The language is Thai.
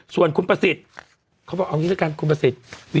ส่วนคุณประสิทธิ์เขาบอกเอางี้ด้วยกันคุณประสิทธิ์